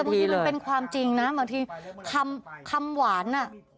บางทีมันเป็นความจริงนะบางทีคำหวานน่ะ